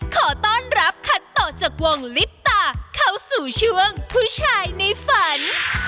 ขอต้อนรับคัตโตะจากวงลิปตาเข้าสู่ช่วงผู้ชายในฝัน